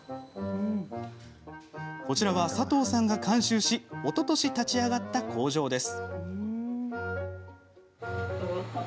こちらは佐藤さんが監修しおととし立ち上がった工場です。